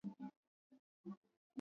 tulifika kambi ya msingi siku ya sita